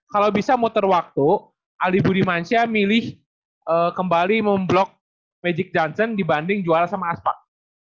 kalau bisa muter waktu ali budimansyah milih kembali memblok magic johnson dibanding juara sama aspak